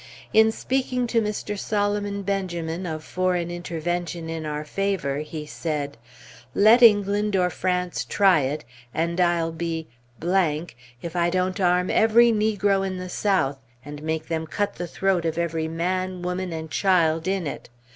In speaking to Mr. Solomon Benjamin of foreign intervention in our favor, he said, "Let England or France try it, and I'll be if I don't arm every negro in the South, and make them cut the throat of every man, woman, and child in it!